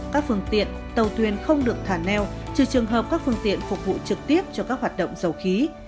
các phương tiện tàu thuyền không được thả neo trừ trường hợp các phương tiện phục vụ trực tiếp cho các hoạt động dầu khí